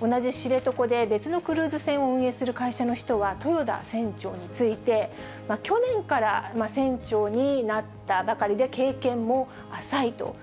同じ知床で別のクルーズ船を運営する会社の人は豊田船長について、去年から船長になったばかりで、経験も浅いと。